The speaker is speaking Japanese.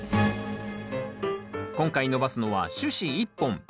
今回伸ばすのは主枝１本。